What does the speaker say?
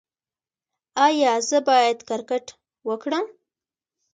ایا زه باید کرکټ وکړم؟